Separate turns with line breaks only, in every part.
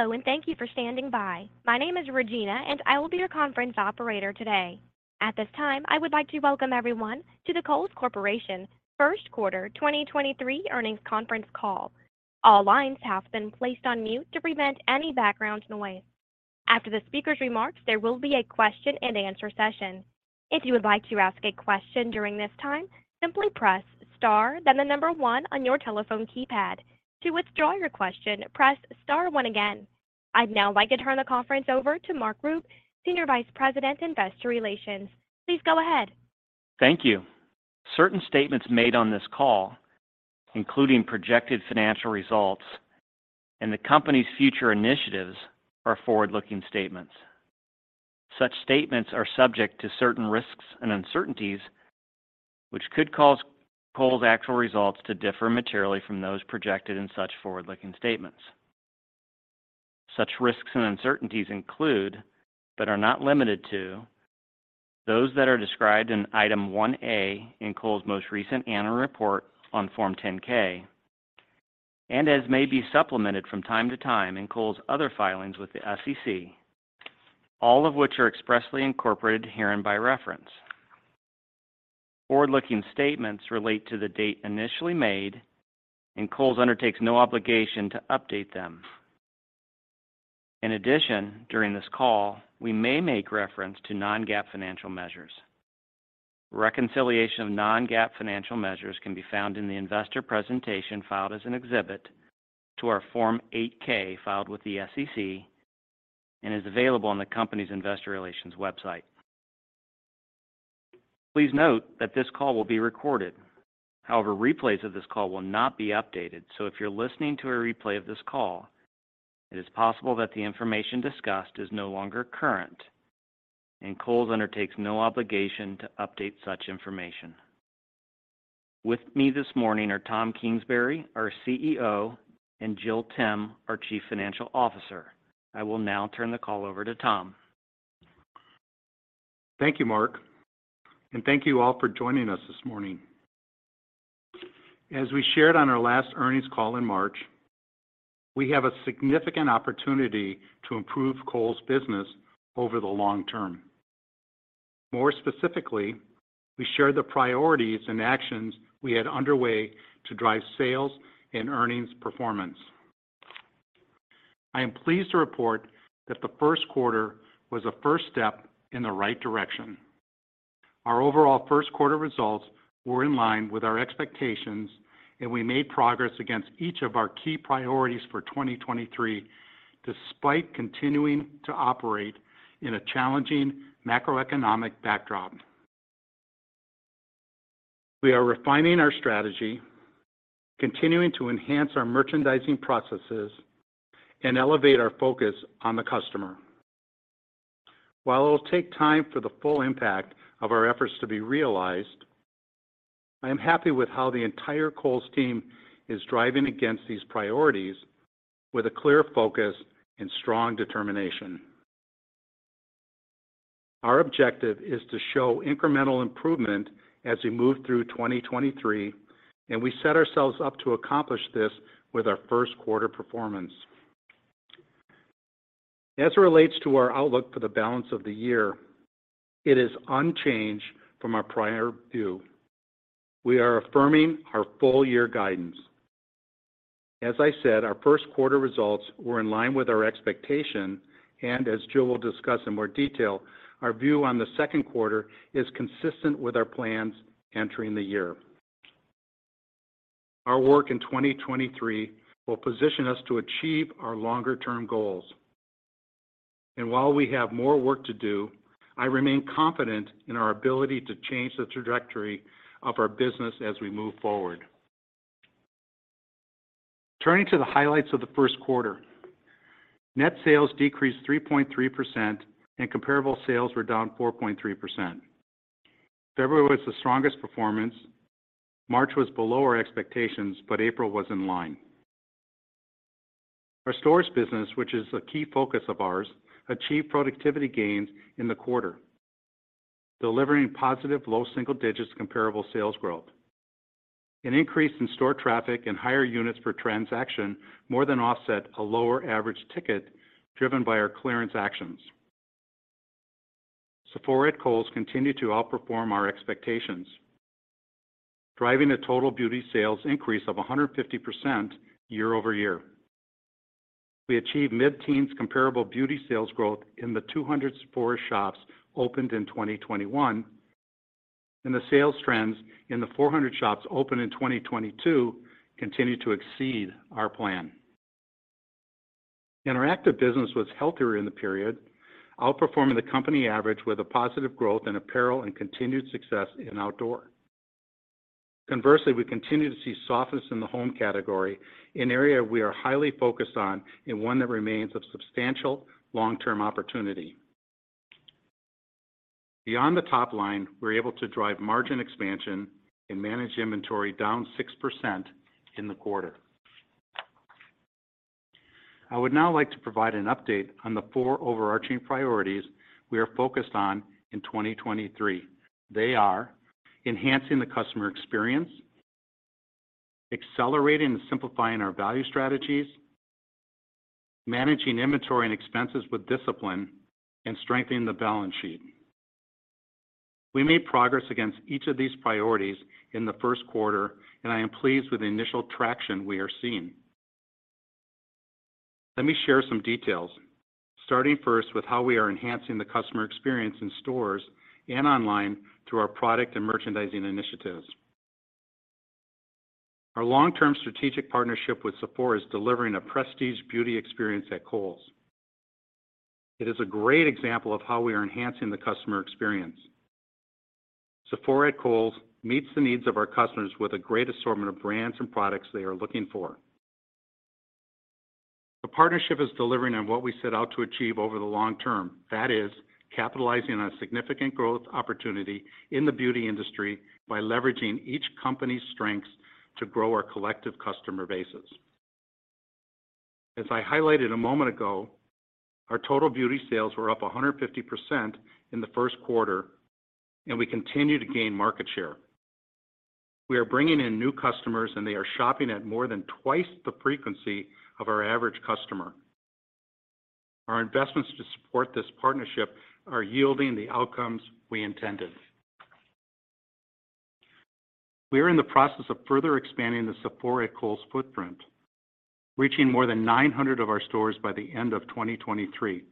Hello, and thank you for standing by. My name is Regina, and I will be your conference operator today. At this time, I would like to welcome everyone to the Kohl's Corporation First Quarter 2023 Earnings Conference Call. All lines have been placed on mute to prevent any background noise. After the speaker's remarks, there will be a question-and-answer session. If you would like to ask a question during this time, simply press star, then the number one on your telephone keypad. To withdraw your question, press star one again. I'd now like to turn the conference over to Mark Rupe, Senior Vice President, Investor Relations. Please go ahead.
Thank you. Certain statements made on this call, including projected financial results and the company's future initiatives, are forward-looking statements. Such statements are subject to certain risks and uncertainties, which could cause Kohl's actual results to differ materially from those projected in such forward-looking statements. Such risks and uncertainties include, but are not limited to, those that are described in Item 1-A in Kohl's most recent annual report on Form 10-K and as may be supplemented from time to time in Kohl's other filings with the SEC, all of which are expressly incorporated herein by reference. Forward-looking statements relate to the date initially made, and Kohl's undertakes no obligation to update them. In addition, during this call, we may make reference to non-GAAP financial measures. Reconciliation of non-GAAP financial measures can be found in the investor presentation filed as an exhibit to our Form 8-K filed with the SEC and is available on the company's investor relations website. Please note that this call will be recorded. However, replays of this call will not be updated. If you're listening to a replay of this call, it is possible that the information discussed is no longer current, and Kohl's undertakes no obligation to update such information. With me this morning are Tom Kingsbury, our CEO, and Jill Timm, our Chief Financial Officer. I will now turn the call over to Tom.
Thank you, Mark, and thank you all for joining us this morning. As we shared on our last earnings call in March, we have a significant opportunity to improve Kohl's business over the long term. More specifically, we shared the priorities and actions we had underway to drive sales and earnings performance. I am pleased to report that the first quarter was a first step in the right direction. Our overall first quarter results were in line with our expectations, and we made progress against each of our key priorities for 2023, despite continuing to operate in a challenging macroeconomic backdrop. We are refining our strategy, continuing to enhance our merchandising processes and elevate our focus on the customer. While it will take time for the full impact of our efforts to be realized, I am happy with how the entire Kohl's team is driving against these priorities with a clear focus and strong determination. Our objective is to show incremental improvement as we move through 2023, we set ourselves up to accomplish this with our first quarter performance. As it relates to our outlook for the balance of the year, it is unchanged from our prior view. We are affirming our full year guidance. As I said, our first quarter results were in line with our expectation, as Jill will discuss in more detail, our view on the second quarter is consistent with our plans entering the year. Our work in 2023 will position us to achieve our longer term goals. While we have more work to do, I remain confident in our ability to change the trajectory of our business as we move forward. Turning to the highlights of the first quarter. Net sales decreased 3.3%, and comparable sales were down 4.3%. February was the strongest performance. March was below our expectations, but April was in line. Our stores business, which is a key focus of ours, achieved productivity gains in the quarter, delivering positive low single-digits comparable sales growth. An increase in store traffic and higher units per transaction more than offset a lower average ticket driven by our clearance actions. Sephora at Kohl's continued to outperform our expectations, driving a total beauty sales increase of 150% year-over-year. We achieved mid-teens comparable beauty sales growth in the 200 Sephora shops opened in 2021, and the sales trends in the 400 shops opened in 2022 continue to exceed our plan. Interactive business was healthier in the period, outperforming the company average with a positive growth in apparel and continued success in outdoor. Conversely, we continue to see softness in the home category, an area we are highly focused on and one that remains of substantial long-term opportunity. Beyond the top line, we're able to drive margin expansion and manage inventory down 6% in the quarter. I would now like to provide an update on the four overarching priorities we are focused on in 2023. They are enhancing the customer experience, accelerating and simplifying our value strategies, managing inventory and expenses with discipline, and strengthening the balance sheet. We made progress against each of these priorities in the first quarter, and I am pleased with the initial traction we are seeing. Let me share some details, starting first with how we are enhancing the customer experience in stores and online through our product and merchandising initiatives. Our long-term strategic partnership with Sephora is delivering a prestige beauty experience at Kohl's. It is a great example of how we are enhancing the customer experience. Sephora at Kohl's meets the needs of our customers with a great assortment of brands and products they are looking for. The partnership is delivering on what we set out to achieve over the long term. That is capitalizing on a significant growth opportunity in the beauty industry by leveraging each company's strengths to grow our collective customer bases. As I highlighted a moment ago, our total beauty sales were up 150% in the first quarter. We continue to gain market share. We are bringing in new customers, and they are shopping at more than twice the frequency of our average customer. Our investments to support this partnership are yielding the outcomes we intended. We are in the process of further expanding the Sephora at Kohl's footprint, reaching more than 900 of our stores by the end of 2023.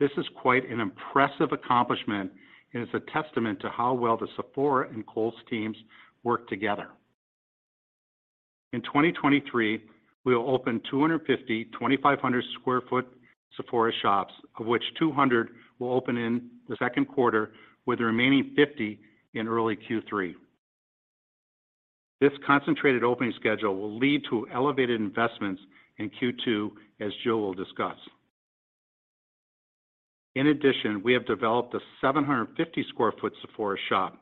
This is quite an impressive accomplishment and is a testament to how well the Sephora and Kohl's teams work together. In 2023, we will open 250, 2,500 sq ft Sephora shops, of which 200 will open in the second quarter, with the remaining 50 in early Q3. This concentrated opening schedule will lead to elevated investments in Q2, as Jill will discuss. We have developed a 750 sq ft Sephora shop.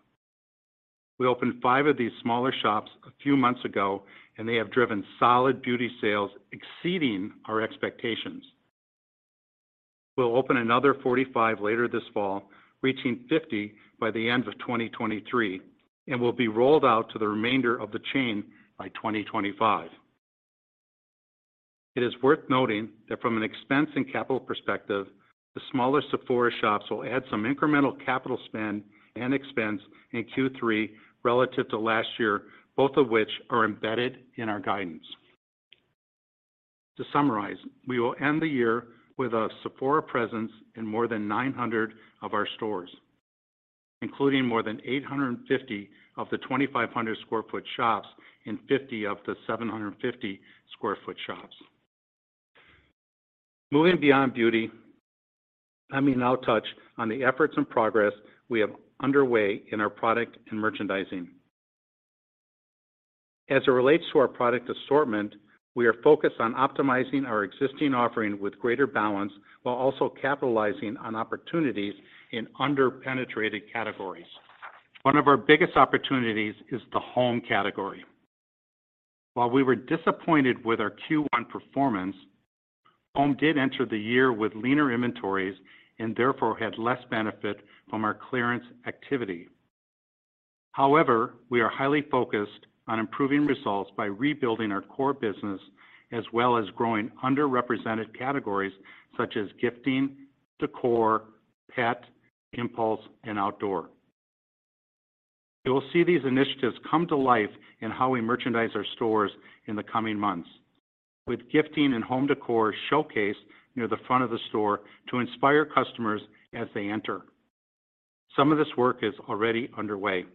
We opened 5 of these smaller shops a few months ago, and they have driven solid beauty sales exceeding our expectations. We'll open another 45 later this fall, reaching 50 by the end of 2023 and will be rolled out to the remainder of the chain by 2025. It is worth noting that from an expense and capital perspective, the smaller Sephora shops will add some incremental capital spend and expense in Q3 relative to last year, both of which are embedded in our guidance. To summarize, we will end the year with a Sephora presence in more than 900 of our stores, including more than 850 of the 2,500 sq ft shops and 50 of the 750 sq ft shops. Moving beyond beauty, let me now touch on the efforts and progress we have underway in our product and merchandising. As it relates to our product assortment, we are focused on optimizing our existing offering with greater balance while also capitalizing on opportunities in under-penetrated categories. One of our biggest opportunities is the home category. While we were disappointed with our Q1 performance, home did enter the year with leaner inventories and therefore had less benefit from our clearance activity. However, we are highly focused on improving results by rebuilding our core business as well as growing underrepresented categories such as gifting, decor, pet, impulse, and outdoor. You will see these initiatives come to life in how we merchandise our stores in the coming months with gifting and home decor showcased near the front of the store to inspire customers as they enter. Some of this work is already underway.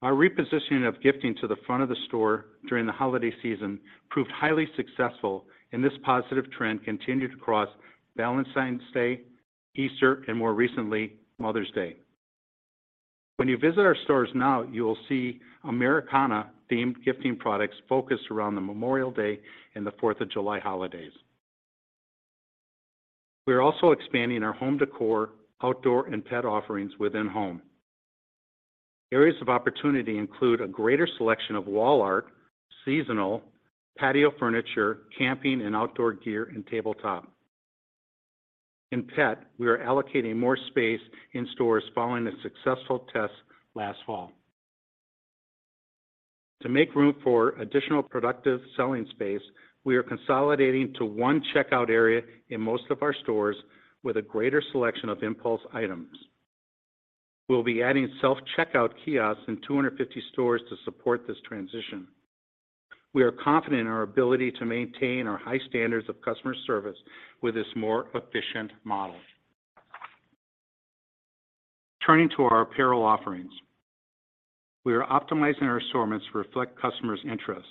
Our repositioning of gifting to the front of the store during the holiday season proved highly successful, and this positive trend continued across Valentine's Day, Easter, and more recently, Mother's Day. When you visit our stores now, you will see Americana-themed gifting products focused around the Memorial Day and the Fourth of July holidays. We are also expanding our home decor, outdoor, and pet offerings within home. Areas of opportunity include a greater selection of wall art, seasonal, patio furniture, camping and outdoor gear, and tabletop. In pet, we are allocating more space in stores following a successful test last fall. To make room for additional productive selling space, we are consolidating to one checkout area in most of our stores with a greater selection of impulse items. We'll be adding self-checkout kiosks in 250 stores to support this transition. We are confident in our ability to maintain our high standards of customer service with this more efficient model. Turning to our apparel offerings, we are optimizing our assortments to reflect customers' interests.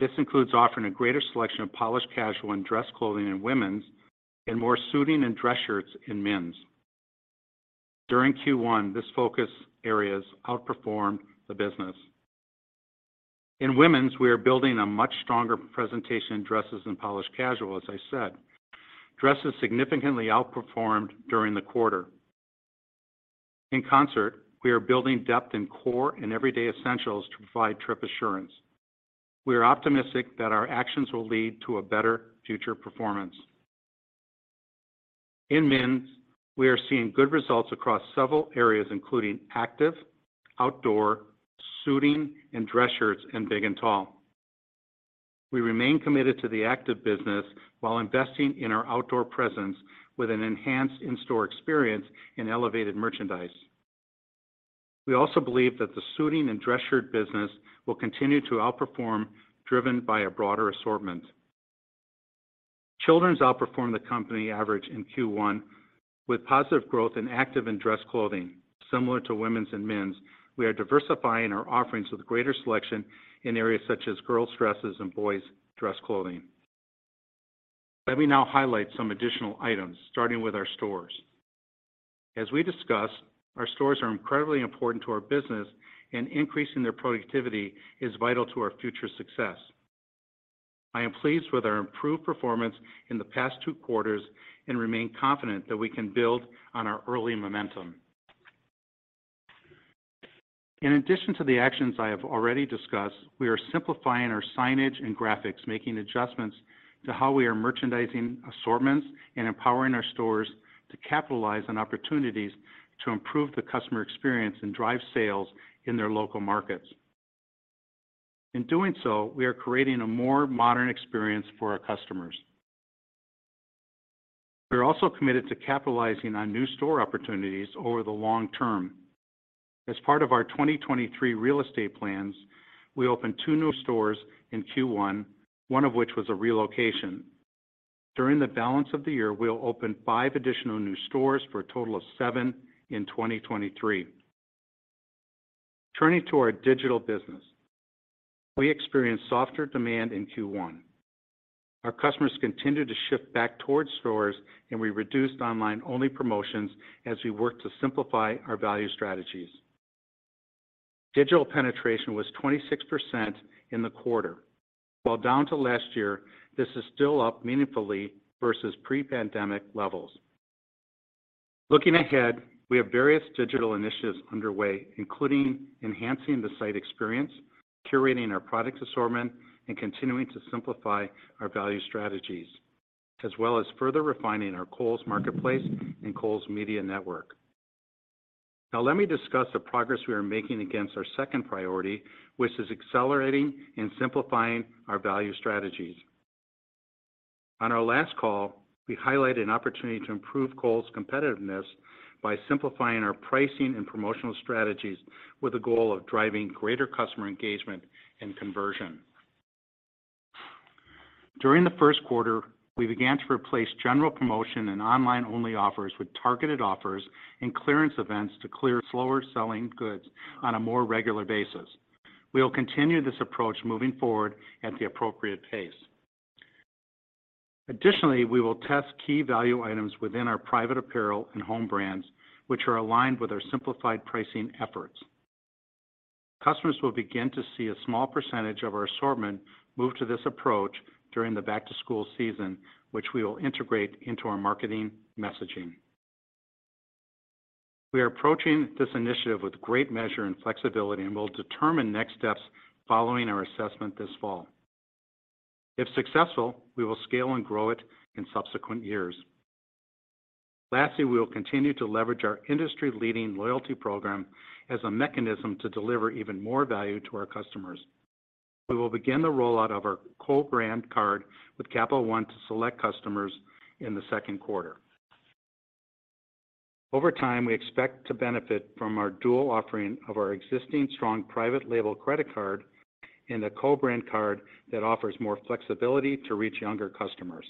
This includes offering a greater selection of polished casual and dress clothing in women's and more suiting and dress shirts in men's. During Q1, this focus areas outperformed the business. In women's, we are building a much stronger presentation in dresses and polished casual, as I said. Dresses significantly outperformed during the quarter. In concert, we are building depth in core and everyday essentials to provide trip assurance. We are optimistic that our actions will lead to a better future performance. In men's, we are seeing good results across several areas, including active, outdoor, suiting, and dress shirts, and big and tall. We remain committed to the active business while investing in our outdoor presence with an enhanced in-store experience and elevated merchandise. We also believe that the suiting and dress shirt business will continue to outperform, driven by a broader assortment. Children's outperformed the company average in Q1 with positive growth in active and dress clothing. Similar to women's and men's, we are diversifying our offerings with greater selection in areas such as girls' dresses and boys' dress clothing. Let me now highlight some additional items, starting with our stores. As we discussed, our stores are incredibly important to our business, and increasing their productivity is vital to our future success. I am pleased with our improved performance in the past two quarters and remain confident that we can build on our early momentum. In addition to the actions I have already discussed, we are simplifying our signage and graphics, making adjustments to how we are merchandising assortments, and empowering our stores to capitalize on opportunities to improve the customer experience and drive sales in their local markets. In doing so, we are creating a more modern experience for our customers. We're also committed to capitalizing on new store opportunities over the long term. As part of our 2023 real estate plans, we opened two new stores in Q1, one of which was a relocation. During the balance of the year, we'll open five additional new stores for a total of seven in 2023. Turning to our digital business, we experienced softer demand in Q1. Our customers continued to shift back towards stores. We reduced online-only promotions as we worked to simplify our value strategies. Digital penetration was 26% in the quarter. While down to last year, this is still up meaningfully versus pre-pandemic levels. Looking ahead, we have various digital initiatives underway, including enhancing the site experience, curating our product assortment, and continuing to simplify our value strategies, as well as further refining our Kohl's Marketplace and Kohl's Media Network. Now let me discuss the progress we are making against our second priority, which is accelerating and simplifying our value strategies. On our last call, we highlighted an opportunity to improve Kohl's competitiveness by simplifying our pricing and promotional strategies with the goal of driving greater customer engagement and conversion. During the first quarter, we began to replace general promotion and online-only offers with targeted offers and clearance events to clear slower selling goods on a more regular basis. We will continue this approach moving forward at the appropriate pace. Additionally, we will test key value items within our private apparel and home brands, which are aligned with our simplified pricing efforts. Customers will begin to see a small percentage of our assortment move to this approach during the back-to-school season, which we will integrate into our marketing messaging. We are approaching this initiative with great measure and flexibility, and we'll determine next steps following our assessment this fall. If successful, we will scale and grow it in subsequent years. Lastly, we will continue to leverage our industry-leading loyalty program as a mechanism to deliver even more value to our customers. We will begin the rollout of our co-branded card with Capital One to select customers in the second quarter. Over time, we expect to benefit from our dual offering of our existing strong private label credit card and the co-branded card that offers more flexibility to reach younger customers.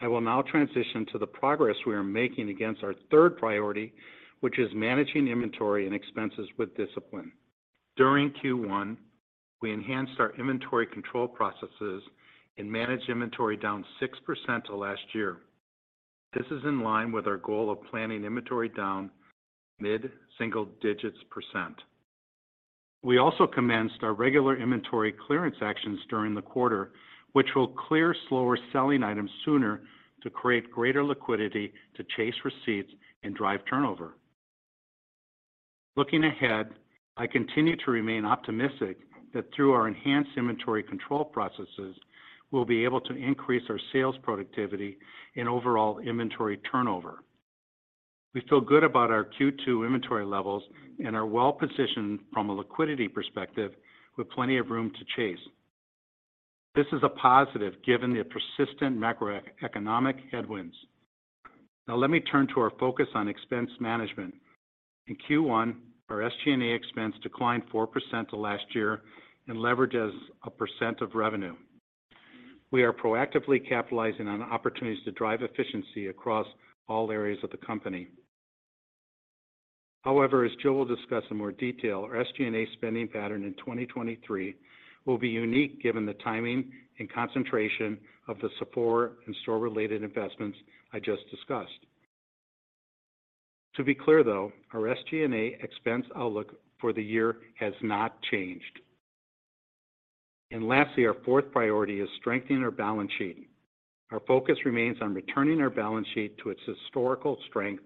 I will now transition to the progress we are making against our third priority, which is managing inventory and expenses with discipline. During Q1, we enhanced our inventory control processes and managed inventory down 6% to last year. This is in line with our goal of planning inventory down mid-single digits %. We also commenced our regular inventory clearance actions during the quarter, which will clear slower selling items sooner to create greater liquidity to chase receipts and drive turnover. Looking ahead, I continue to remain optimistic that through our enhanced inventory control processes, we'll be able to increase our sales productivity and overall inventory turnover. We feel good about our Q2 inventory levels and are well positioned from a liquidity perspective with plenty of room to chase. This is a positive given the persistent macroeconomic headwinds. Now let me turn to our focus on expense management. In Q1, our SG&A expense declined 4% to last year and leverages a % of revenue. We are proactively capitalizing on opportunities to drive efficiency across all areas of the company. However, as Jill will discuss in more detail, our SG&A spending pattern in 2023 will be unique given the timing and concentration of the support and store-related investments I just discussed. To be clear, though, our SG&A expense outlook for the year has not changed. Lastly, our fourth priority is strengthening our balance sheet. Our focus remains on returning our balance sheet to its historical strength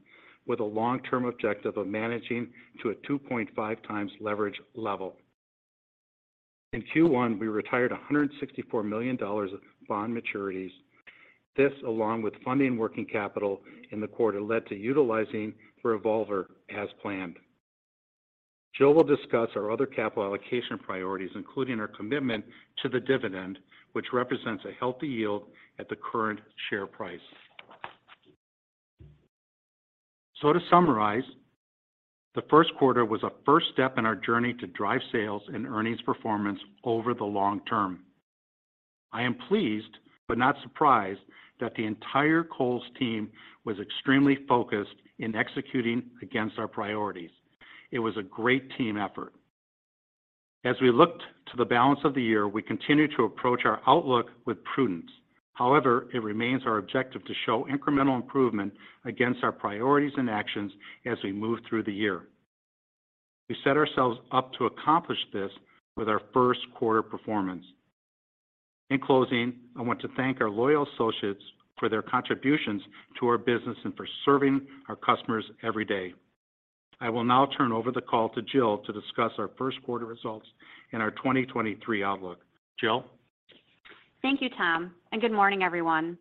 with a long-term objective of managing to a 2.5x leverage level. In Q1, we retired $164 million of bond maturities. This, along with funding working capital in the quarter, led to utilizing the revolver as planned. Jill will discuss our other capital allocation priorities, including our commitment to the dividend, which represents a healthy yield at the current share price. To summarize, the first quarter was a first step in our journey to drive sales and earnings performance over the long term. I am pleased but not surprised that the entire Kohl's team was extremely focused in executing against our priorities. It was a great team effort. As we looked to the balance of the year, we continued to approach our outlook with prudence. However, it remains our objective to show incremental improvement against our priorities and actions as we move through the year. We set ourselves up to accomplish this with our first quarter performance. In closing, I want to thank our loyal associates for their contributions to our business and for serving our customers every day. I will now turn over the call to Jill to discuss our first quarter results and our 2023 outlook. Jill?
Thank you, Tom, and good morning, everyone.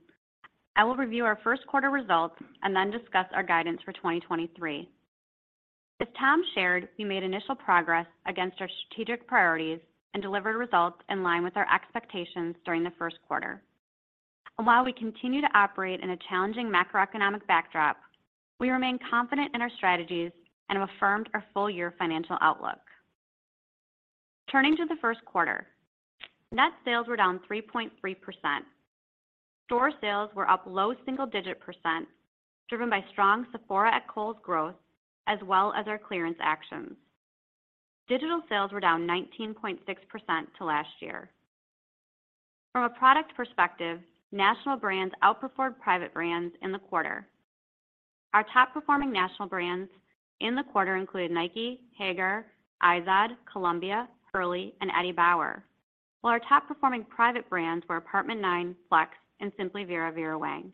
I will review our first quarter results and then discuss our guidance for 2023. As Tom shared, we made initial progress against our strategic priorities and delivered results in line with our expectations during the first quarter. While we continue to operate in a challenging macroeconomic backdrop, we remain confident in our strategies and have affirmed our full year financial outlook. Turning to the first quarter, net sales were down 3.3%. Store sales were up low single digit %, driven by strong Sephora at Kohl's growth as well as our clearance actions. Digital sales were down 19.6% to last year. From a product perspective, national brands outperformed private brands in the quarter. Our top performing national brands in the quarter included Nike, Haggar, Izod, Columbia, Hurley, and Eddie Bauer. While our top performing private brands were Apt. 9, FLX, and Simply Vera Vera Wang.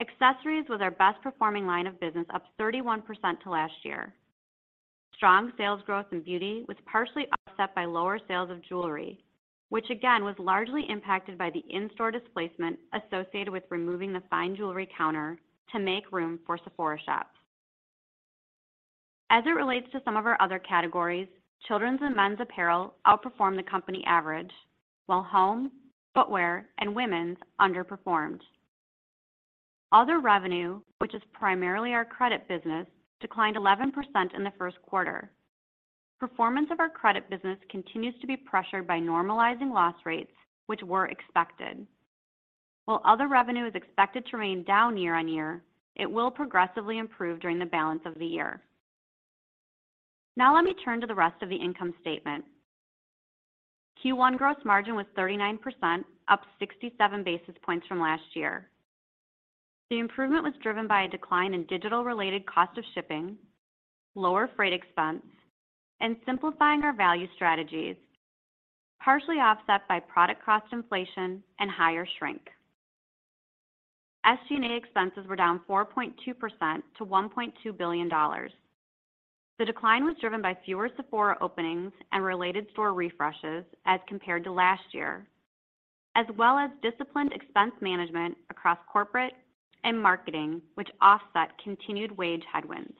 Accessories was our best performing line of business, up 31% to last year. Strong sales growth in beauty was partially offset by lower sales of jewelry, which again was largely impacted by the in-store displacement associated with removing the fine jewelry counter to make room for Sephora shops. As it relates to some of our other categories, children's and men's apparel outperformed the company average, while home, footwear, and women's underperformed. Other revenue, which is primarily our credit business, declined 11% in the first quarter. Performance of our credit business continues to be pressured by normalizing loss rates, which were expected. While other revenue is expected to remain down year-on-year, it will progressively improve during the balance of the year. Now let me turn to the rest of the income statement. Q1 gross margin was 39%, up 67 basis points from last year. The improvement was driven by a decline in digital related cost of shipping, lower freight expense, and simplifying our value strategies, partially offset by product cost inflation and higher shrink. SG&A expenses were down 4.2% to $1.2 billion. The decline was driven by fewer Sephora openings and related store refreshes as compared to last year, as well as disciplined expense management across corporate and marketing, which offset continued wage headwinds.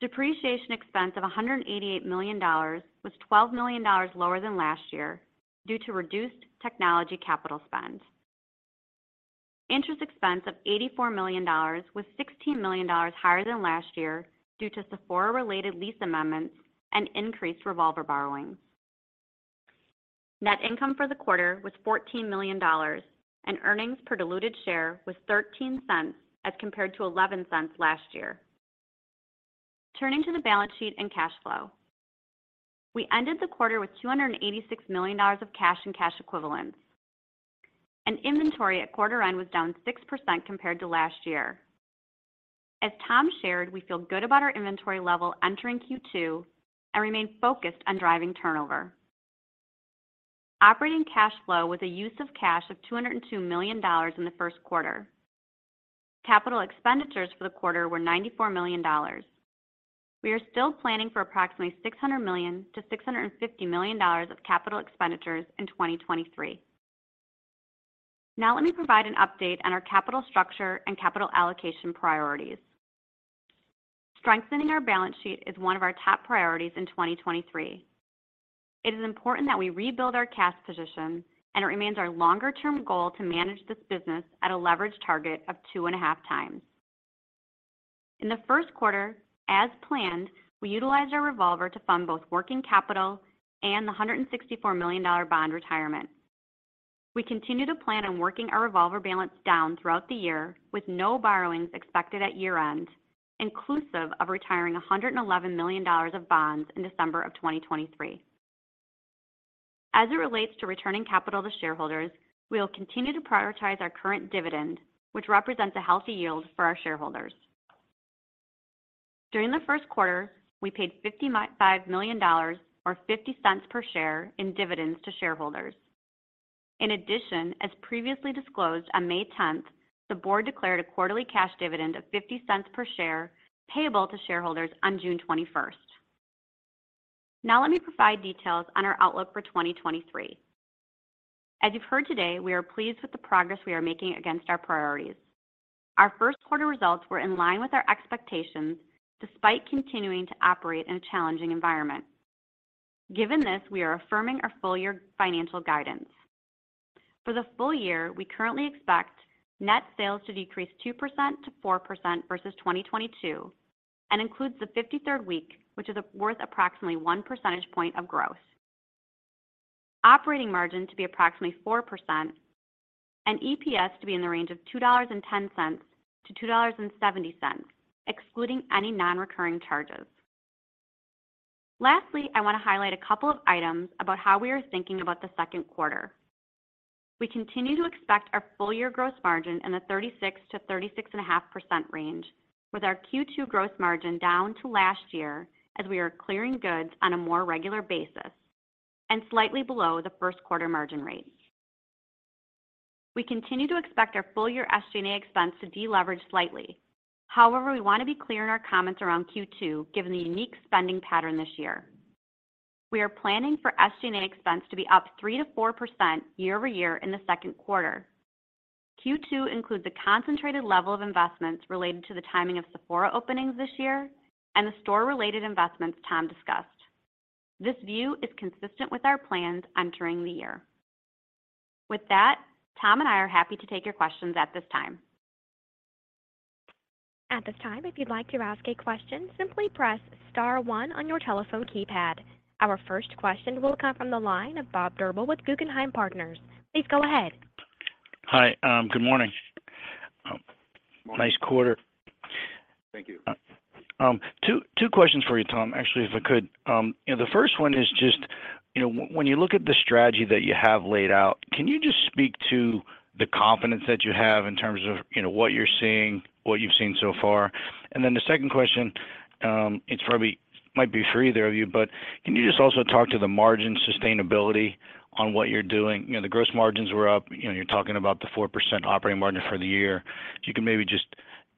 Depreciation expense of $188 million was $12 million lower than last year due to reduced technology capital spend. Interest expense of $84 million was $16 million higher than last year due to Sephora-related lease amendments and increased revolver borrowings. Net income for the quarter was $14 million. Earnings per diluted share was $0.13 as compared to $0.11 last year. Turning to the balance sheet and cash flow. We ended the quarter with $286 million of cash and cash equivalents. Inventory at quarter end was down 6% compared to last year. As Tom shared, we feel good about our inventory level entering Q2 and remain focused on driving turnover. Operating cash flow with a use of cash of $202 million in the first quarter. Capital expenditures for the quarter were $94 million. We are still planning for approximately $600 million-$650 million of capital expenditures in 2023. Let me provide an update on our capital structure and capital allocation priorities. Strengthening our balance sheet is one of our top priorities in 2023. It is important that we rebuild our cash position, and it remains our longer-term goal to manage this business at a leverage target of two and a half times. In the first quarter, as planned, we utilized our revolver to fund both working capital and the $164 million bond retirement. We continue to plan on working our revolver balance down throughout the year with no borrowings expected at year-end, inclusive of retiring $111 million of bonds in December of 2023. As it relates to returning capital to shareholders, we will continue to prioritize our current dividend, which represents a healthy yield for our shareholders. During the first quarter, we paid $5 million or $0.50 per share in dividends to shareholders. In addition, as previously disclosed on May tenth, the board declared a quarterly cash dividend of $0.50 per share payable to shareholders on June twenty-first. Let me provide details on our outlook for 2023. As you've heard today, we are pleased with the progress we are making against our priorities. Our first quarter results were in line with our expectations despite continuing to operate in a challenging environment. Given this, we are affirming our full year financial guidance. For the full year, we currently expect net sales to decrease 2%-4% versus 2022 and includes the 53rd week, which is worth approximately one percentage point of growth. Operating margin to be approximately 4% and EPS to be in the range of $2.10-$2.70, excluding any non-recurring charges. I want to highlight a couple of items about how we are thinking about the second quarter. We continue to expect our full year gross margin in the 36%-36.5% range with our Q2 gross margin down to last year as we are clearing goods on a more regular basis and slightly below the first quarter margin rate. We continue to expect our full year SG&A expense to deleverage slightly. We want to be clear in our comments around Q2 given the unique spending pattern this year. We are planning for SG&A expense to be up 3%-4% year-over-year in the second quarter. Q2 includes a concentrated level of investments related to the timing of Sephora openings this year and the store-related investments Tom discussed. This view is consistent with our plans entering the year. With that, Tom and I are happy to take your questions at this time.
At this time, if you'd like to ask a question, simply press star one on your telephone keypad. Our first question will come from the line of Bob Drbul with Guggenheim Partners. Please go ahead.
Hi, good morning.
Morning.
Nice quarter.
Thank you.
Two questions for you, Tom, actually, if I could. You know, the first one is just, you know, when you look at the strategy that you have laid out, can you just speak to the confidence that you have in terms of, you know, what you're seeing, what you've seen so far? The second question, it's probably might be for either of you, but can you just also talk to the margin sustainability on what you're doing? You know, the gross margins were up. You know, you're talking about the 4% operating margin for the year. If you could maybe just,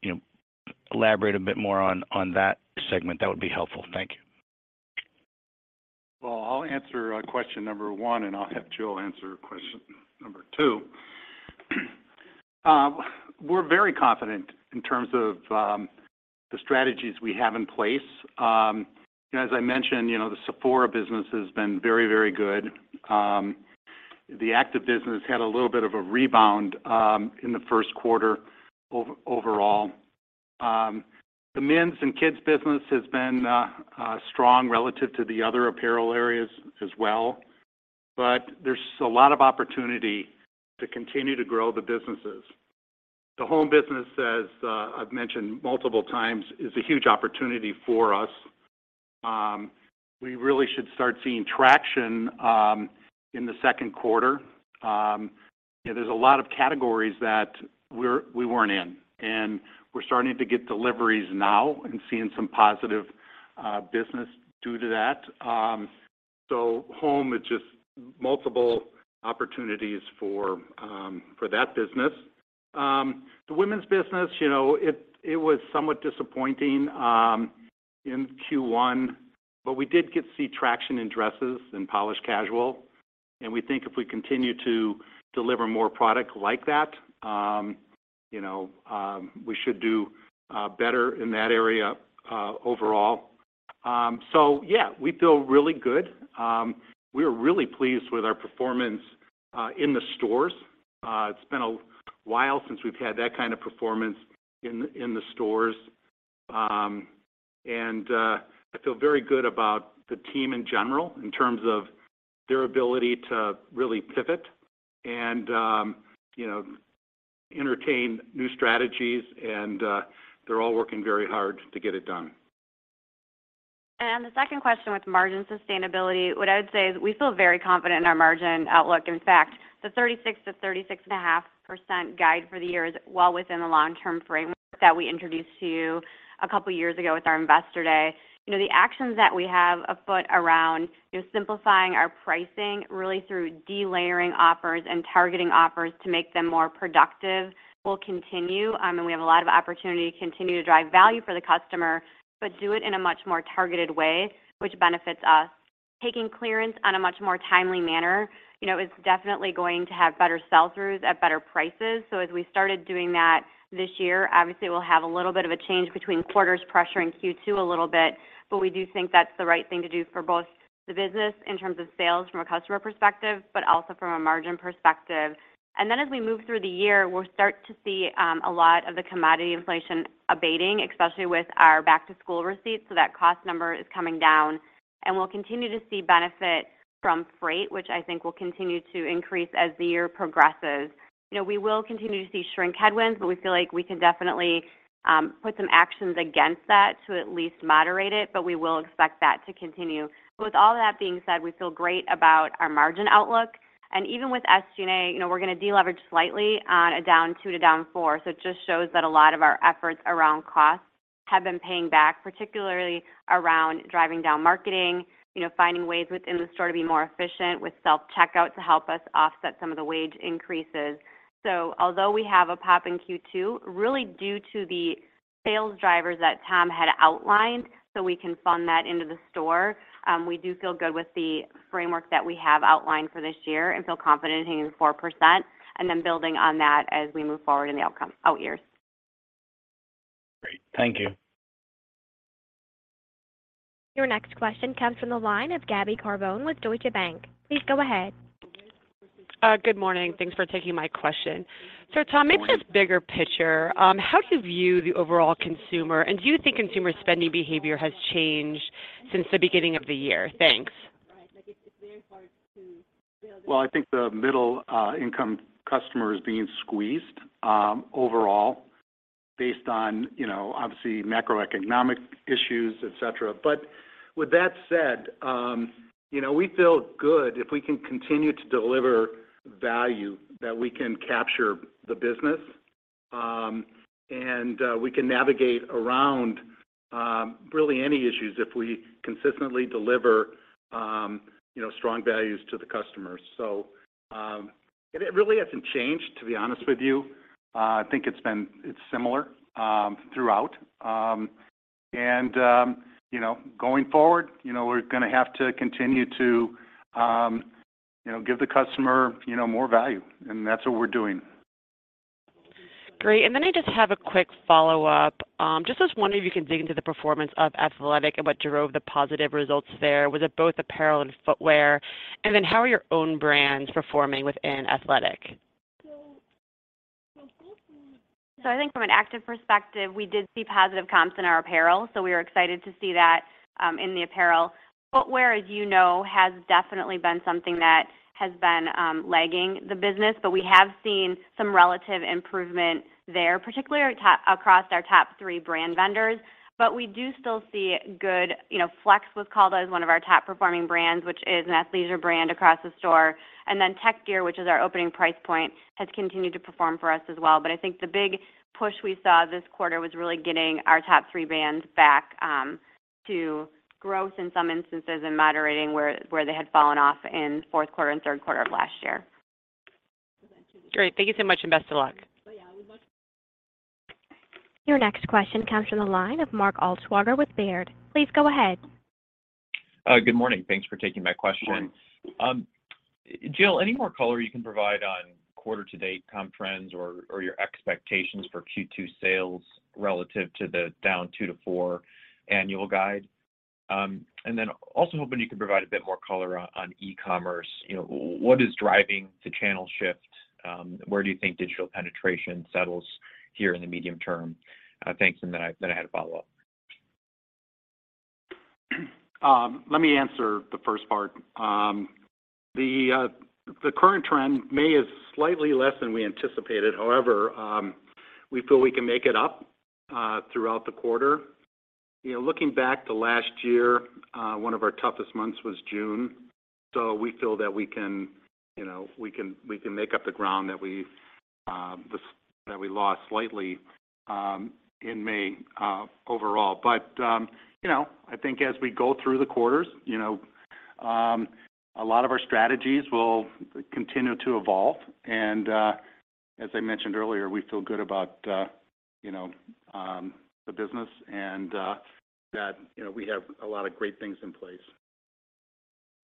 you know, elaborate a bit more on that segment, that would be helpful. Thank you.
Well, I'll answer question one, I'll have Jill answer question two. We're very confident in terms of the strategies we have in place. As I mentioned, you know, the Sephora business has been very, very good. The active business had a little bit of a rebound in the 1st quarter overall. The men's and kids business has been strong relative to the other apparel areas as well. There's a lot of opportunity to continue to grow the businesses. The home business, as I've mentioned multiple times, is a huge opportunity for us. We really should start seeing traction in the 2nd quarter. You know, there's a lot of categories that we weren't in, and we're starting to get deliveries now and seeing some positive business due to that. Home, it's just multiple opportunities for that business. The women's business, you know, it was somewhat disappointing in Q1, but we did get to see traction in dresses and polished casual. We think if we continue to deliver more product like that, you know, we should do better in that area overall. Yeah, we feel really good. We're really pleased with our performance in the stores. It's been a while since we've had that kind of performance in the stores. I feel very good about the team in general in terms of their ability to really pivot and, you know, entertain new strategies, and they're all working very hard to get it done.
The second question with margin sustainability, what I would say is we feel very confident in our margin outlook. In fact, the 36%-36.5% guide for the year is well within the long-term framework that we introduced to you a couple years ago with our investor day. You know, the actions that we have afoot around, you know, simplifying our pricing really through delayering offers and targeting offers to make them more productive will continue. We have a lot of opportunity to continue to drive value for the customer, but do it in a much more targeted way, which benefits us. Taking clearance on a much more timely manner, you know, is definitely going to have better sell-throughs at better prices. As we started doing that this year, obviously, we'll have a little bit of a change between quarters pressuring Q2 a little bit, but we do think that's the right thing to do for both the business in terms of sales from a customer perspective, but also from a margin perspective. As we move through the year, we'll start to see a lot of the commodity inflation abating, especially with our back-to-school receipts, so that cost number is coming down. We'll continue to see benefit from freight, which I think will continue to increase as the year progresses. You know, we will continue to see shrink headwinds, but we feel like we can definitely put some actions against that to at least moderate it, but we will expect that to continue. With all that being said, we feel great about our margin outlook. Even with SG&A, you know, we're gonna deleverage slightly on a down 2% to down 4%. It just shows that a lot of our efforts around costs have been paying back, particularly around driving down marketing, you know, finding ways within the store to be more efficient with self-checkout to help us offset some of the wage increases. Although we have a pop in Q2, really due to the sales drivers that Tom had outlined, so we can fund that into the store, we do feel good with the framework that we have outlined for this year and feel confident hitting 4% and then building on that as we move forward in the out years.
Great. Thank you.
Your next question comes from the line of Gabriella Carbone with Deutsche Bank. Please go ahead.
Good morning. Thanks for taking my question. Tom, maybe just bigger picture, how do you view the overall consumer, and do you think consumer spending behavior has changed since the beginning of the year? Thanks.
Well, I think the middle income customer is being squeezed overall based on, you know, obviously macroeconomic issues, et cetera. With that said, you know, we feel good if we can continue to deliver value that we can capture the business, and we can navigate around really any issues if we consistently deliver, you know, strong values to the customers. It really hasn't changed, to be honest with you. I think it's similar throughout. You know, going forward, you know, we're gonna have to continue to, you know, give the customer, you know, more value, and that's what we're doing.
Great. I just have a quick follow-up. Just was wondering if you can dig into the performance of athletic and what drove the positive results there. Was it both apparel and footwear? How are your own brands performing within athletic?
I think from an active perspective, we did see positive comps in our apparel, so we are excited to see that in the apparel. Footwear, as you know, has definitely been something that has been lagging the business. We have seen some relative improvement there, particularly across our top three brand vendors. We do still see good, you know, FLX was called out as one of our top-performing brands, which is an athleisure brand across the store. Tek Gear, which is our opening price point, has continued to perform for us as well. I think the big push we saw this quarter was really getting our top three brands back to growth in some instances and moderating where they had fallen off in fourth quarter and third quarter of last year.
Great. Thank you so much, and best of luck.
Your next question comes from the line of Mark Altschwager with Baird. Please go ahead.
Good morning. Thanks for taking my question.
Good morning.
Jill, any more color you can provide on quarter-to-date comp trends or your expectations for Q2 sales relative to the down 2%-4% annual guide. Also hoping you could provide a bit more color on e-commerce. You know, what is driving the channel shift? Where do you think digital penetration settles here in the medium term? Thanks. I had a follow-up.
Let me answer the first part. The current trend, May is slightly less than we anticipated. We feel we can make it up throughout the quarter. You know, looking back to last year, one of our toughest months was June, so we feel that we can, you know, we can make up the ground that we lost slightly in May overall. You know, I think as we go through the quarters, you know, a lot of our strategies will continue to evolve. As I mentioned earlier, we feel good about, you know, the business and that, you know, we have a lot of great things in place.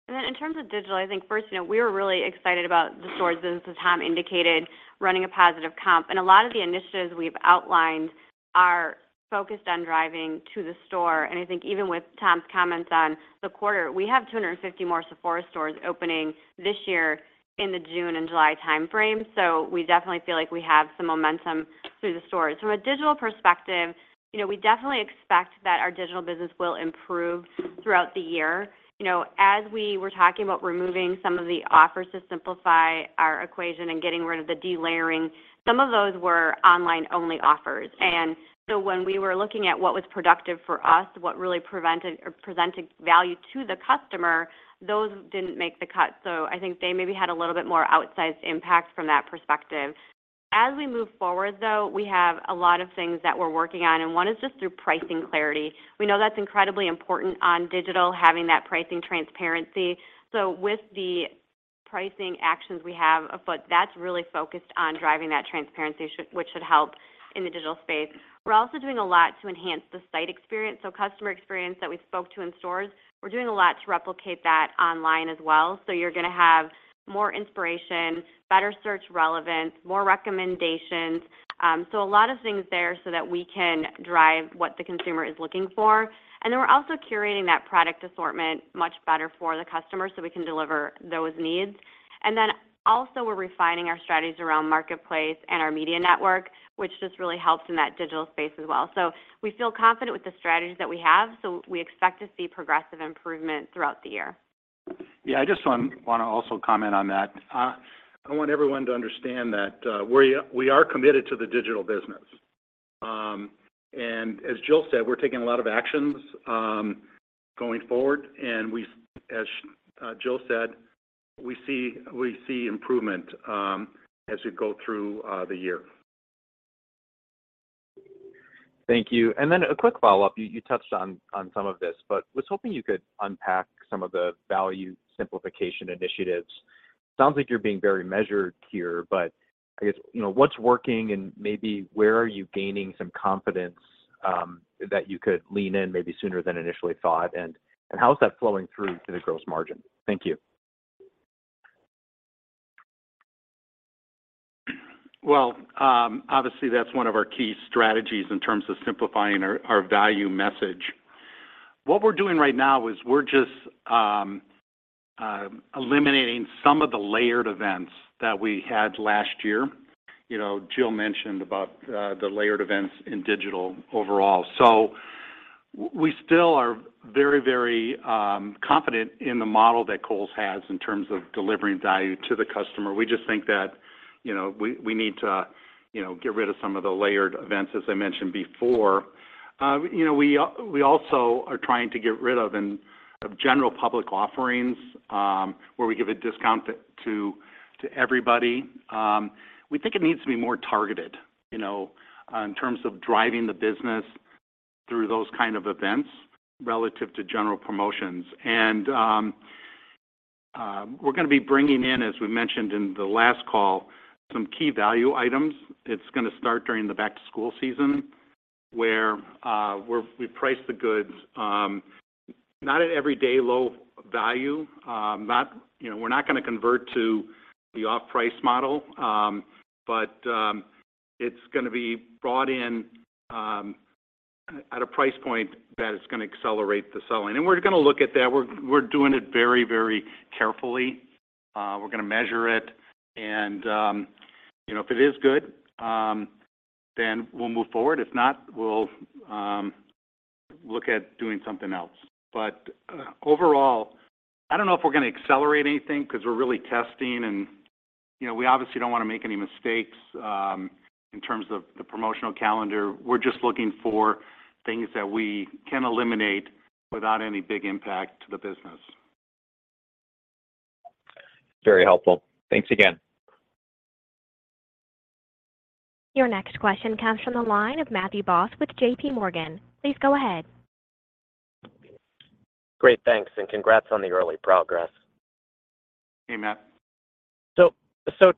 Then in terms of digital, I think first, you know, we were really excited about the stores, as Tom indicated, running a positive comp. A lot of the initiatives we've outlined are focused on driving to the store. I think even with Tom's comments on the quarter, we have 250 more Sephora stores opening this year in the June and July timeframe, so we definitely feel like we have some momentum through the stores. From a digital perspective, you know, we definitely expect that our digital business will improve throughout the year. You know, as we were talking about removing some of the offers to simplify our equation and getting rid of the delayering, some of those were online-only offers. When we were looking at what was productive for us, what really prevented or presented value to the customer, those didn't make the cut. I think they maybe had a little bit more outsized impact from that perspective. As we move forward, though, we have a lot of things that we're working on, and one is just through pricing clarity. We know that's incredibly important on digital, having that pricing transparency. With the pricing actions we have afoot, that's really focused on driving that transparency which should help in the digital space. We're also doing a lot to enhance the site experience. Customer experience that we spoke to in stores, we're doing a lot to replicate that online as well. You're gonna have more inspiration, better search relevance, more recommendations. A lot of things there so that we can drive what the consumer is looking for. We're also curating that product assortment much better for the customer so we can deliver those needs. Also, we're refining our strategies around Marketplace and our Media Network, which just really helps in that digital space as well. We feel confident with the strategies that we have, so we expect to see progressive improvement throughout the year.
Yeah. I just want to also comment on that. I want everyone to understand that we are committed to the digital business. As Jill said, we're taking a lot of actions going forward. We, as Jill said, we see improvement as we go through the year.
Thank you. A quick follow-up. You touched on some of this, but was hoping you could unpack some of the value simplification initiatives. Sounds like you're being very measured here, but I guess, you know, what's working and maybe where are you gaining some confidence that you could lean in maybe sooner than initially thought, and how is that flowing through to the gross margin? Thank you.
Well, obviously that's one of our key strategies in terms of simplifying our value message. What we're doing right now is we're just eliminating some of the layered events that we had last year. You know, Jill mentioned about the layered events in digital overall. We still are very confident in the model that Kohl's has in terms of delivering value to the customer. We just think that, you know, we need to, you know, get rid of some of the layered events, as I mentioned before. You know, we also are trying to get rid of general public offerings, where we give a discount to everybody. We think it needs to be more targeted, you know, in terms of driving the business through those kind of events relative to general promotions. We're gonna be bringing in, as we mentioned in the last call, some key value items. It's gonna start during the back-to-school season where we price the goods not at everyday low value. You know, we're not gonna convert to the off-price model, but it's gonna be brought in at a price point that it's gonna accelerate the selling. We're gonna look at that. We're doing it very, very carefully. We're gonna measure it and, you know, if it is good, then we'll move forward. If not, we'll look at doing something else. Overall, I don't know if we're gonna accelerate anything because we're really testing and, you know, we obviously don't wanna make any mistakes in terms of the promotional calendar. We're just looking for things that we can eliminate without any big impact to the business.
Very helpful. Thanks again.
Your next question comes from the line of Matthew Boss with JPMorgan. Please go ahead.
Great. Thanks. Congrats on the early progress.
Hey, Matt.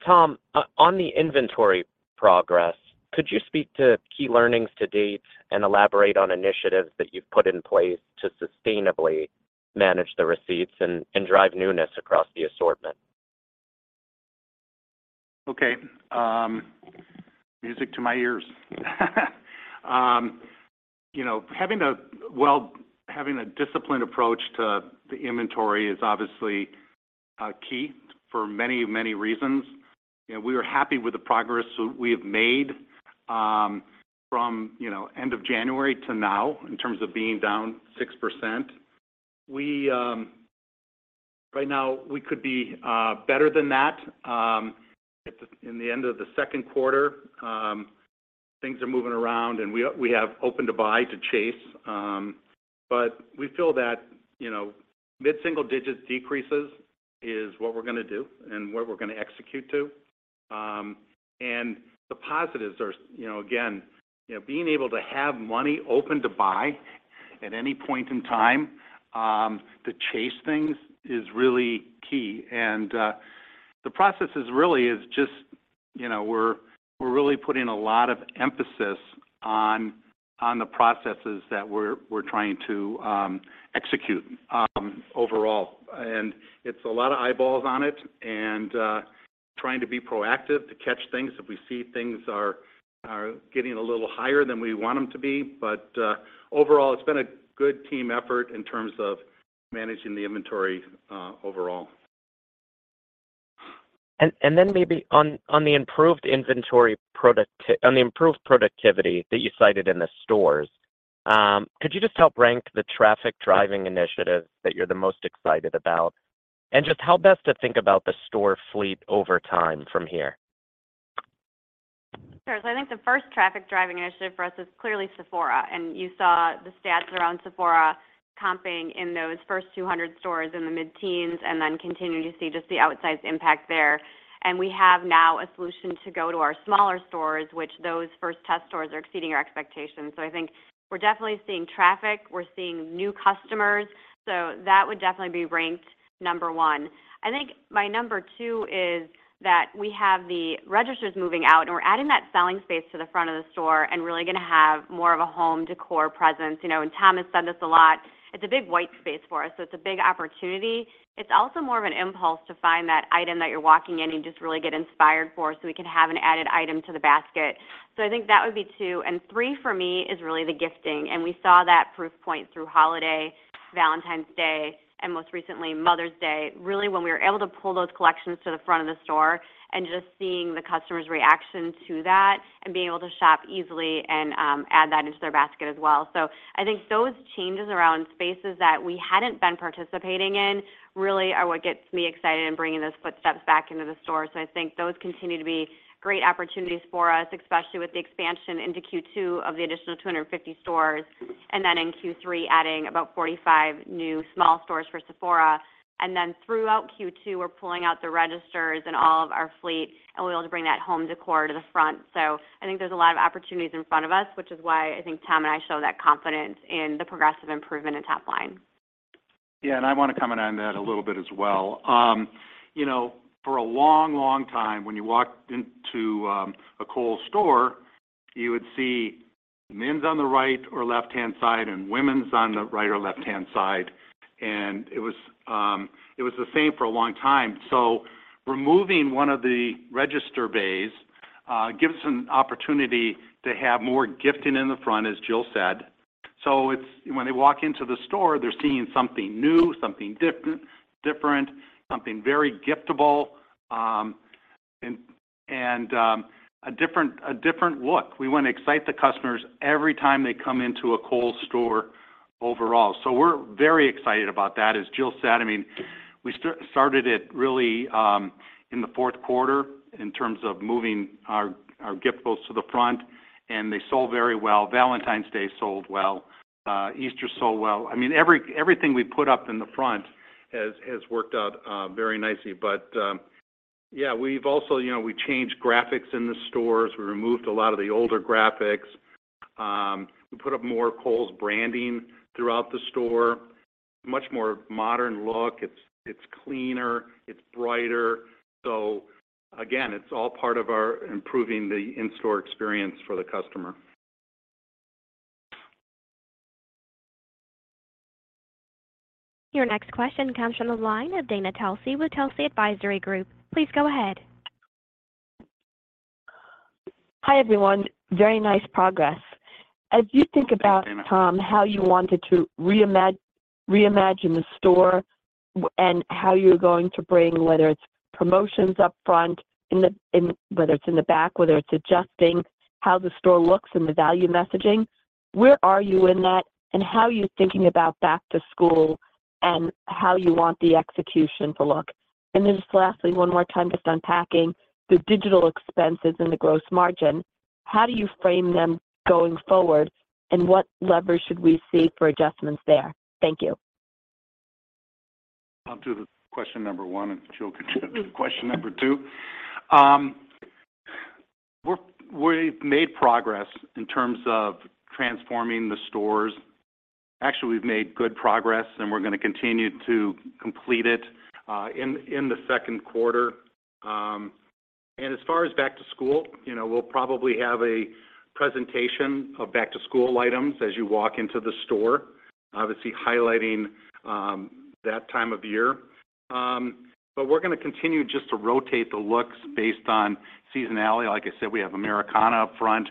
Tom, on the inventory progress, could you speak to key learnings to date and elaborate on initiatives that you've put in place to sustainably manage the receipts and drive newness across the assortment?
Okay. Music to my ears. You know, having a disciplined approach to the inventory is obviously key for many, many reasons. You know, we are happy with the progress we have made, from, you know, end of January to now in terms of being down 6%. We, right now, we could be better than that, at the, in the end of the second quarter. Things are moving around, we have open to buy to chase. We feel that, you know, mid-single digits decreases is what we're gonna do and what we're gonna execute to. The positives are, you know, again, you know, being able to have money open to buy at any point in time, to chase things is really key. The process is really just, you know, we're really putting a lot of emphasis on the processes that we're trying to execute overall. It's a lot of eyeballs on it and, trying to be proactive to catch things if we see things are getting a little higher than we want them to be. Overall, it's been a good team effort in terms of managing the inventory overall.
Maybe on the improved inventory on the improved productivity that you cited in the stores, could you just help rank the traffic driving initiatives that you're the most excited about? Just how best to think about the store fleet over time from here?
Sure. I think the first traffic driving initiative for us is clearly Sephora. You saw the stats around Sephora comping in those first 200 stores in the mid-teens and then continuing to see just the outsized impact there. We have now a solution to go to our smaller stores, which those first test stores are exceeding our expectations. I think we're definitely seeing traffic, we're seeing new customers. That would definitely be ranked number one. I think my number two is that we have the registers moving out, and we're adding that selling space to the front of the store and really gonna have more of a home decor presence. You know, Tom has said this a lot. It's a big white space for us, so it's a big opportunity. It's also more of an impulse to find that item that you're walking in and just really get inspired for, so we can have an added item to the basket. I think that would be two. Three for me is really the gifting. We saw that proof point through holiday, Valentine's Day, and most recently, Mother's Day, really when we were able to pull those collections to the front of the store and just seeing the customer's reaction to that and being able to shop easily and add that into their basket as well. I think those changes around spaces that we hadn't been participating in really are what gets me excited in bringing those footsteps back into the store. I think those continue to be great opportunities for us, especially with the expansion into Q2 of the additional 250 stores, and then in Q3, adding about 45 new small stores for Sephora. Throughout Q2, we're pulling out the registers in all of our fleet, and we'll be able to bring that home decor to the front. I think there's a lot of opportunities in front of us, which is why I think Tom and I show that confidence in the progressive improvement in top line.
Yeah, I want to comment on that a little bit as well. you know, for a long time, when you walked into a Kohl's store, you would see men's on the right or left-hand side and women's on the right or left-hand side. It was the same for a long time. Removing one of the register bays gives an opportunity to have more gifting in the front, as Jill said. When they walk into the store, they're seeing something new, something different, something very giftable, and a different look. We want to excite the customers every time they come into a Kohl's store overall. We're very excited about that. As Jill said, I mean, we started it really in the fourth quarter in terms of moving our gift bows to the front. They sold very well. Valentine's Day sold well. Easter sold well. I mean, everything we put up in the front has worked out very nicely. Yeah, we've also. You know, we changed graphics in the stores. We removed a lot of the older graphics. We put up more Kohl's branding throughout the store, much more modern look. It's cleaner. It's brighter. Again, it's all part of our improving the in-store experience for the customer.
Your next question comes from the line of Dana Telsey with Telsey Advisory Group. Please go ahead.
Hi, everyone. Very nice progress.
Thanks, Dana.
As you think about, Tom, how you wanted to reimagine the store and how you're going to bring, whether it's promotions up front in the, whether it's in the back, whether it's adjusting how the store looks and the value messaging, where are you in that, and how are you thinking about back to school and how you want the execution to look? Just lastly, one more time, just unpacking the digital expenses and the gross margin, how do you frame them going forward, and what leverage should we see for adjustments there? Thank you.
I'll do the question number one, and Jill can take question number two. We've made progress in terms of transforming the stores. Actually, we've made good progress, and we're gonna continue to complete it in the second quarter. As far as back to school, you know, we'll probably have a presentation of back to school items as you walk into the store, obviously highlighting that time of year. We're gonna continue just to rotate the looks based on seasonality. Like I said, we have Americana up front,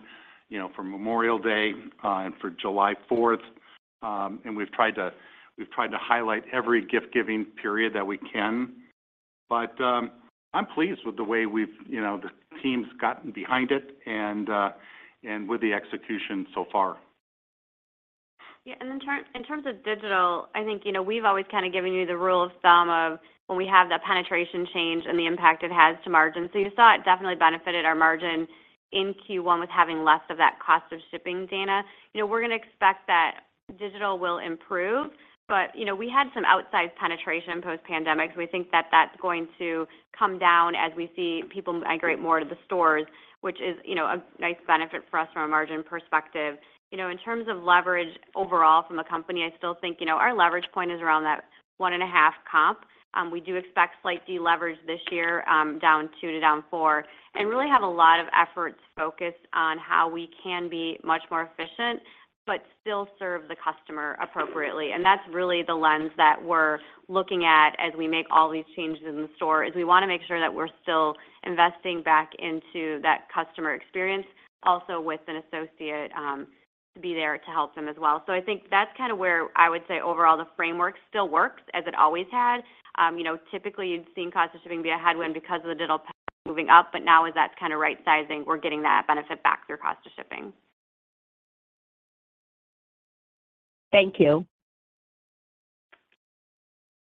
you know, for Memorial Day and for July Fourth. We've tried to highlight every gift giving period that we can. I'm pleased with the way we've... you know, the team's gotten behind it and with the execution so far.
Yeah. In terms of digital, I think, you know, we've always kinda given you the rule of thumb of when we have that penetration change and the impact it has to margin. You saw it definitely benefited our margin in Q1 with having less of that cost of shipping, Dana. You know, we're gonna expect that digital will improve. You know, we had some outsized penetration post-pandemic. We think that that's going to come down as we see people migrate more to the stores, which is, you know, a nice benefit for us from a margin perspective. You know, in terms of leverage overall from the company, I still think, you know, our leverage point is around that 1.5 comp. We do expect slight deleverage this year, -2% to -4%, really have a lot of efforts focused on how we can be much more efficient but still serve the customer appropriately. That's really the lens that we're looking at as we make all these changes in the store, is we wanna make sure that we're still investing back into that customer experience also with an associate to be there to help them as well. I think that's kinda where I would say overall the framework still works as it always has. You know, typically, you'd seen cost of shipping be a headwind because of the digital moving up. Now with that kind of right sizing, we're getting that benefit back through cost of shipping.
Thank you.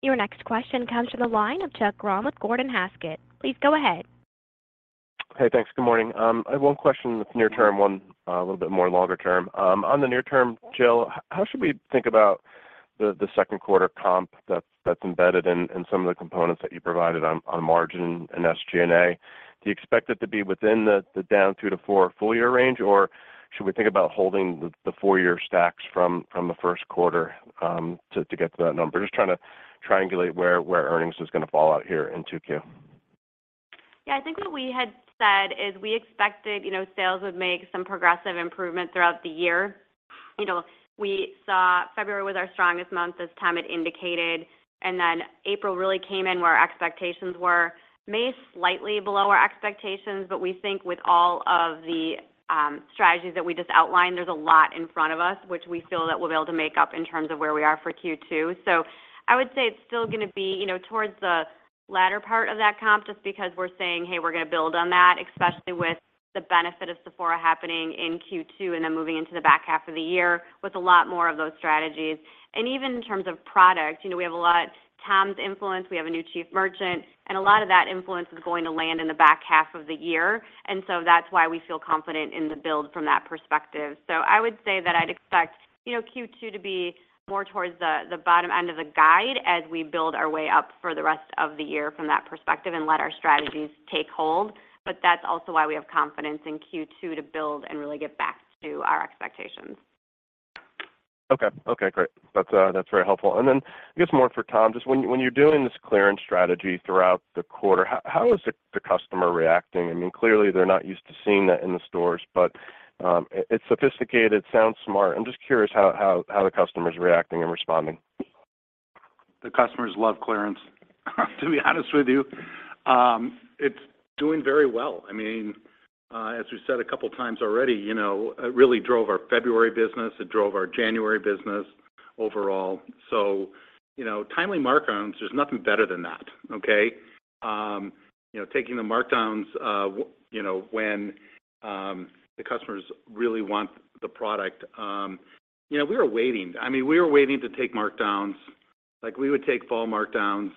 Your next question comes from the line of Chuck Grom with Gordon Haskett. Please go ahead.
Hey, thanks. Good morning. I have one question that's near term, one a little bit more longer term. On the near term, Jill, how should we think about the second quarter comp that's embedded in some of the components that you provided on margin and SG&A? Do you expect it to be within the down 2%-4% full year range, or should we think about holding the full year stacks from the first quarter to get to that number? Just trying to triangulate where earnings is gonna fall out here in 2Q.
I think what we had said is we expected, you know, sales would make some progressive improvement throughout the year. You know, we saw February was our strongest month. This time it indicated, and then April really came in where expectations were. May, slightly below our expectations, but we think with all of the strategies that we just outlined, there's a lot in front of us, which we feel that we'll be able to make up in terms of where we are for Q2. I would say it's still gonna be, you know, towards the latter part of that comp just because we're saying, "Hey, we're gonna build on that," especially with the benefit of Sephora happening in Q2 and then moving into the back half of the year with a lot more of those strategies. Even in terms of product, you know, we have Tom's influence, we have a new chief merchant, and a lot of that influence is going to land in the back half of the year. That's why we feel confident in the build from that perspective. I would say that I'd expect, you know, Q2 to be more towards the bottom end of the guide as we build our way up for the rest of the year from that perspective and let our strategies take hold. That's also why we have confidence in Q2 to build and really get back to our expectations.
Okay. Okay, great. That's, that's very helpful. Then I guess more for Tom, just when you're doing this clearance strategy throughout the quarter, how is the customer reacting? I mean, clearly they're not used to seeing that in the stores, but it's sophisticated, it sounds smart. I'm just curious how the customer's reacting and responding.
The customers love clearance, to be honest with you. It's doing very well. I mean, as we said 2x already, you know, it really drove our February business. It drove our January business overall. You know, timely markdowns, there's nothing better than that, okay? You know, taking the markdowns, you know, when the customers really want the product. You know, we were waiting. I mean, we were waiting to take markdowns. Like, we would take fall markdowns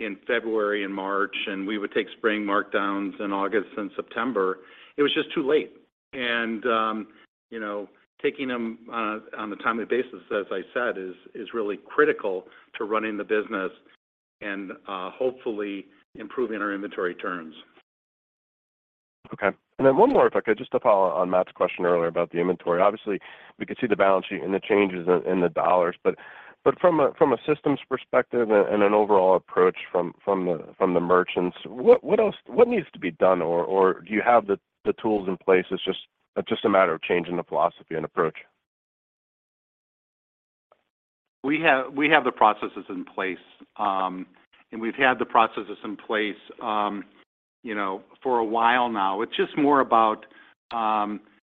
in February and March, and we would take spring markdowns in August and September. It was just too late. You know, taking them on a timely basis, as I said, is really critical to running the business and hopefully improving our inventory turns.
Okay. Then one more if I could, just to follow on Matt's question earlier about the inventory. Obviously, we could see the balance sheet and the changes in the dollars. From a systems perspective and an overall approach from the merchants, what else needs to be done or do you have the tools in place, it's just a matter of changing the philosophy and approach?
We have the processes in place, and we've had the processes in place, you know, for a while now. It's just more about,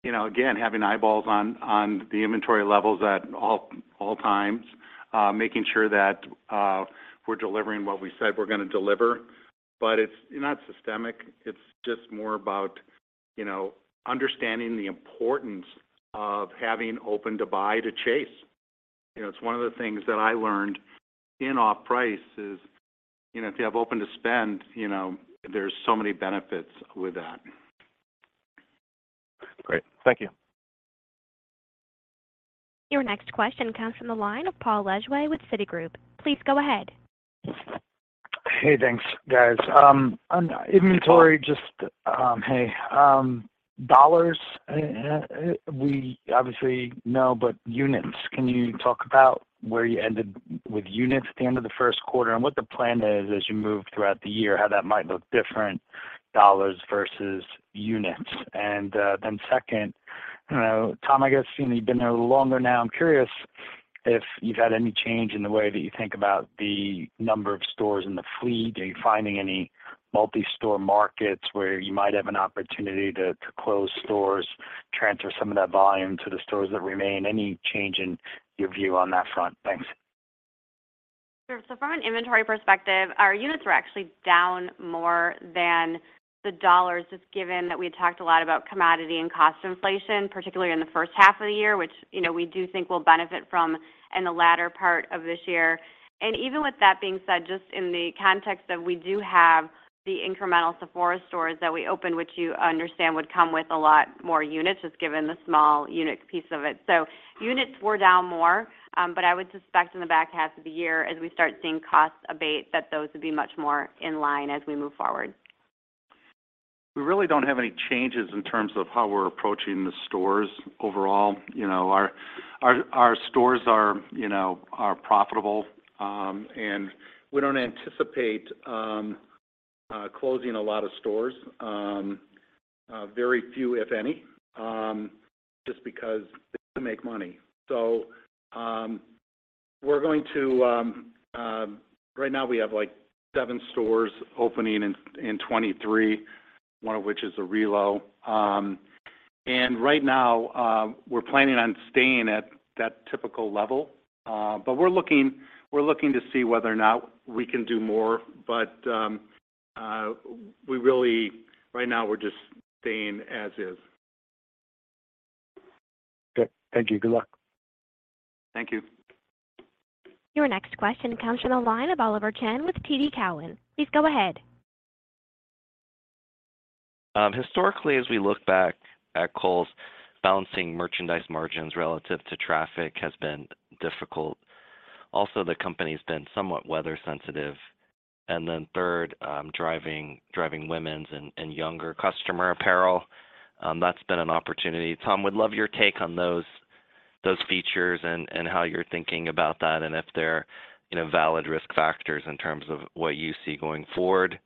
you know, again, having eyeballs on the inventory levels at all times, making sure that we're delivering what we said we're gonna deliver. It's not systemic. It's just more about, you know, understanding the importance of having open to buy to chase. You know, it's one of the things that I learned in off-price is, you know, if you have open to spend, you know, there's so many benefits with that.
Great. Thank you.
Your next question comes from the line of Paul Lejuez with Citigroup. Please go ahead.
Hey, thanks, guys. On inventory, just dollars, we obviously know, but units, can you talk about where you ended with units at the end of the first quarter and what the plan is as you move throughout the year, how that might look different, dollars versus units? Then second, I don't know, Tom, I guess, you know, you've been there longer now. I'm curious if you've had any change in the way that you think about the number of stores in the fleet. Are you finding any multi-store markets where you might have an opportunity to close stores, transfer some of that volume to the stores that remain? Any change in your view on that front? Thanks.
From an inventory perspective, our units were actually down more than the dollars, just given that we had talked a lot about commodity and cost inflation, particularly in the first half of the year, which, you know, we do think we'll benefit from in the latter part of this year. Even with that being said, just in the context of we do have the incremental Sephora stores that we opened, which you understand would come with a lot more units, just given the small unit piece of it. Units were down more, but I would suspect in the back half of the year as we start seeing costs abate, that those would be much more in line as we move forward.
We really don't have any changes in terms of how we're approaching the stores overall. You know, our stores are, you know, are profitable, and we don't anticipate closing a lot of stores, very few, if any, just because they do make money. Right now we have, like, seven stores opening in 2023, one of which is a relo. And right now, we're planning on staying at that typical level. We're looking, we're looking to see whether or not we can do more. Right now we're just staying as is.
Okay. Thank you. Good luck.
Thank you.
Your next question comes from the line of Oliver Chen with TD Cowen. Please go ahead.
Historically, as we look back at Kohl's, balancing merchandise margins relative to traffic has been difficult. The company's been somewhat weather sensitive. Third, driving women's and younger customer apparel, that's been an opportunity. Tom, would love your take on those features and how you're thinking about that, and if they're, you know, valid risk factors in terms of what you see going forward.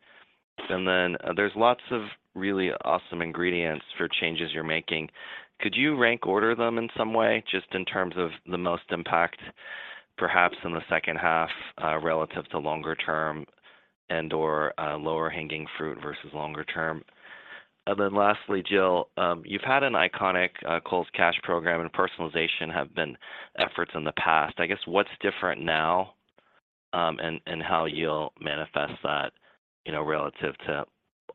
There's lots of really awesome ingredients for changes you're making. Could you rank order them in some way, just in terms of the most impact, perhaps in the second half, relative to longer term and/or, lower hanging fruit versus longer term? Lastly, Jill, you've had an iconic Kohl's Cash program and personalization have been efforts in the past. I guess, what's different now, and how you'll manifest that, you know, relative to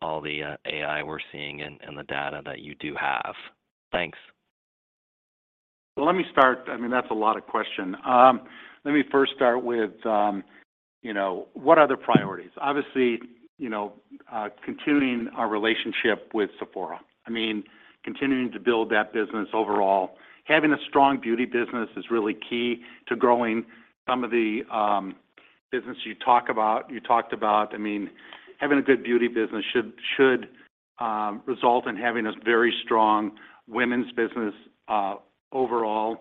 all the AI we're seeing and the data that you do have? Thanks.
Let me start. I mean, that's a lot of question. Let me first start with, you know, what are the priorities? Obviously, you know, continuing our relationship with Sephora. I mean, continuing to build that business overall. Having a strong beauty business is really key to growing some of the business you talked about. I mean, having a good beauty business should result in having a very strong women's business overall.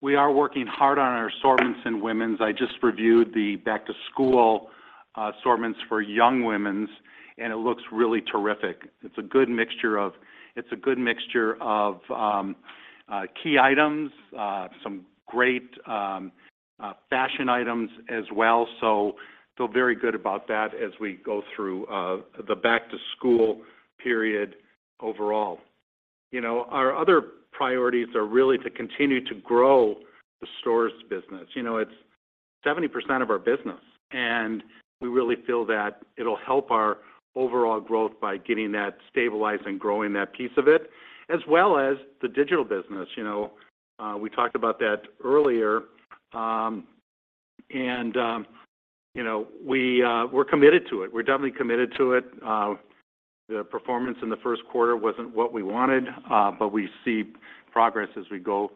We are working hard on our assortments in women's. I just reviewed the back-to-school assortments for young women's, it looks really terrific. It's a good mixture of key items, some great fashion items as well. Feel very good about that as we go through the back-to-school period overall. You know, our other priorities are really to continue to grow the stores business. You know, it's 70% of our business. We really feel that it'll help our overall growth by getting that stabilized and growing that piece of it, as well as the digital business. You know, we talked about that earlier. You know, we're committed to it. We're definitely committed to it. The performance in the first quarter wasn't what we wanted. We see progress as we go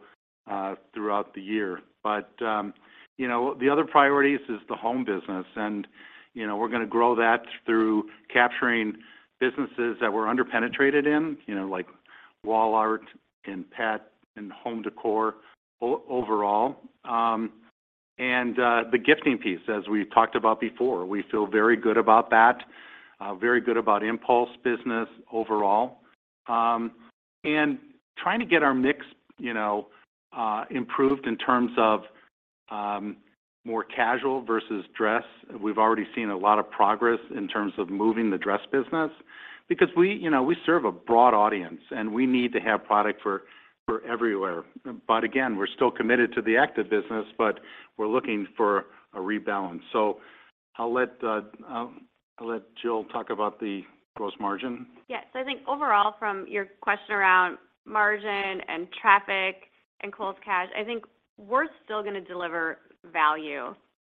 throughout the year. You know, the other priorities is the home business. You know, we're gonna grow that through capturing businesses that we're under-penetrated in, you know, like wall art and pet and home decor overall. The gifting piece, as we talked about before. We feel very good about that, very good about impulse business overall. Trying to get our mix, you know, improved in terms of, more casual versus dress. We've already seen a lot of progress in terms of moving the dress business because we, you know, we serve a broad audience, and we need to have product for everywhere. Again, we're still committed to the active business, but we're looking for a rebalance. I'll let Jill talk about the gross margin.
Yes. I think overall, from your question around margin and traffic and Kohl's Cash, I think we're still going to deliver value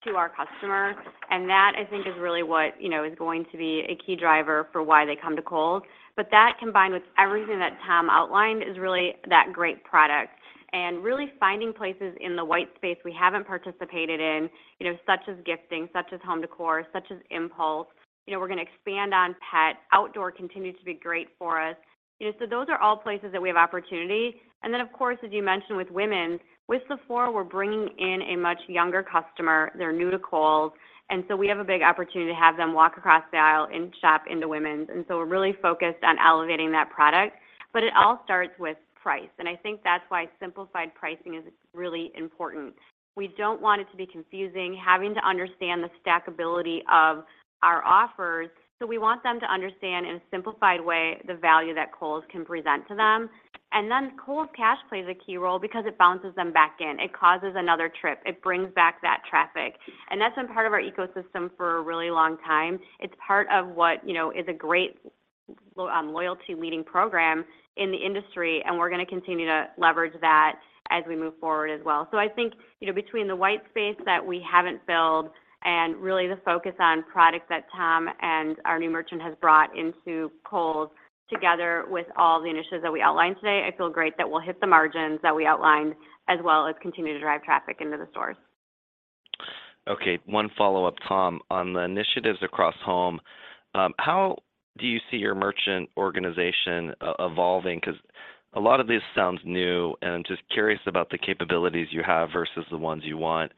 to our customer, and that I think is really what, you know, is going to be a key driver for why they come to Kohl's. That combined with everything that Tom outlined is really that great product and really finding places in the white space we haven't participated in, you know, such as gifting, such as home decor, such as impulse. We're going to expand on pet. Outdoor continued to be great for us. Those are all places that we have opportunity. Of course, as you mentioned with women, with Sephora, we're bringing in a much younger customer. They're new to Kohl's. We have a big opportunity to have them walk across the aisle and shop into women's. We're really focused on elevating that product. It all starts with price, and I think that's why simplified pricing is really important. We don't want it to be confusing having to understand the stackability of our offers. We want them to understand in a simplified way the value that Kohl's can present to them. Kohl's Cash plays a key role because it bounces them back in. It causes another trip. It brings back that traffic, and that's been part of our ecosystem for a really long time. It's part of what, you know, is a great loyalty leading program in the industry, and we're gonna continue to leverage that as we move forward as well. I think, you know, between the white space that we haven't filled and really the focus on product that Tom and our new merchant has brought into Kohl's together with all the initiatives that we outlined today, I feel great that we'll hit the margins that we outlined as well as continue to drive traffic into the stores.
Okay, one follow-up, Tom. On the initiatives across home, how do you see your merchant organization e-evolving? Because a lot of this sounds new, and I'm just curious about the capabilities you have versus the ones you want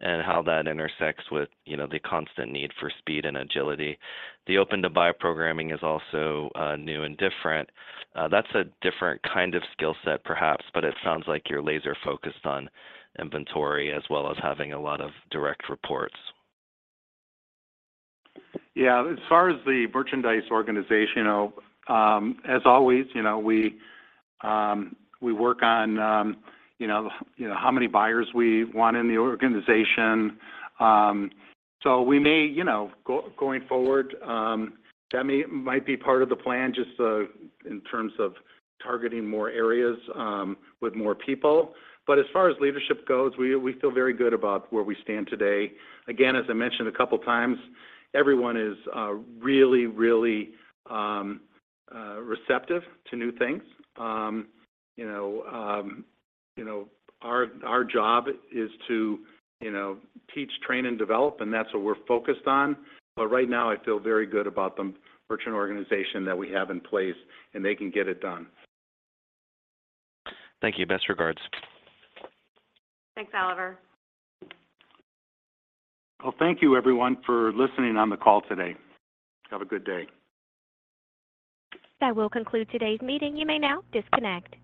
and how that intersects with, you know, the constant need for speed and agility. The open to buy programming is also new and different. That's a different kind of skill set perhaps, but it sounds like you're laser-focused on inventory as well as having a lot of direct reports.
Yeah. As far as the merchandise organization, you know, as always, you know, we work on, you know, you know, how many buyers we want in the organization. We may, you know, going forward, that might be part of the plan just, in terms of targeting more areas, with more people. As far as leadership goes, we feel very good about where we stand today. Again, as I mentioned a couple times, everyone is really, really receptive to new things. You know, you know, our job is to, you know, teach, train, and develop, and that's what we're focused on. Right now, I feel very good about the merchant organization that we have in place, and they can get it done.
Thank you. Best regards.
Thanks, Oliver.
Well, thank you everyone for listening on the call today. Have a good day.
That will conclude today's meeting. You may now disconnect.